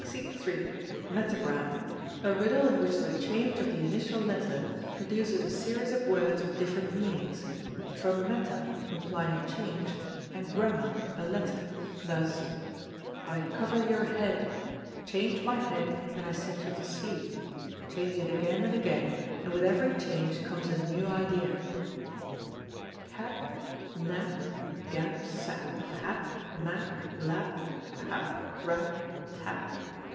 Metagram, a riddle in which the change of the initial letter produces a series of words of different meanings; from meta, implying change, and gramma, a letter. Thus: I cover your head; change my head, and I set you to sleep; change it again and again, and with every change comes a new idea. Cap, Nap, Gap, Sap, Hap, Map, Lap, Pap, Rap, Tap.